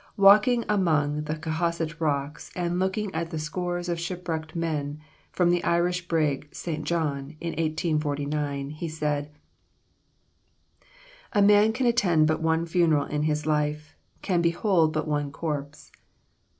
Walking among the Cohasset rocks and looking at the scores of shipwrecked men from the Irish brig St. John, in 1849, he said, "A man can attend but one funeral in his life, can behold but one corpse."